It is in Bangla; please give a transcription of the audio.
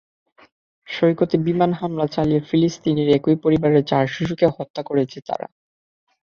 সৈকতে বিমান হামলা চালিয়ে ফিলিস্তিনের একই পরিবারের চার শিশুকে হত্যা করেছে তারা।